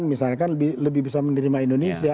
misalkan lebih bisa menerima indonesia